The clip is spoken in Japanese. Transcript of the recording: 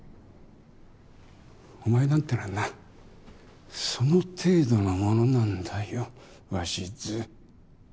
お前なんてのはなその程度のものなんだよ鷲津。